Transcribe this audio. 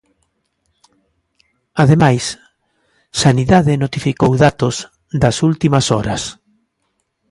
Ademais, Sanidade notificou datos das últimas horas.